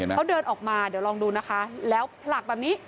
เขาเดินออกมาเดี๋ยวลองดูนะคะแล้วผลักแบบนี้